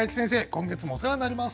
今月もお世話になります。